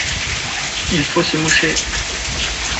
Il faut se moucher…